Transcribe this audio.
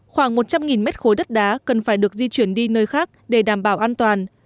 khoảng một trăm linh mét khối đất đá cần phải được di chuyển đi nơi khác để đảm bảo an toàn